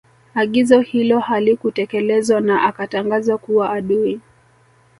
Agizo hilo halikutekelezwa na Akatangazwa kuwa adui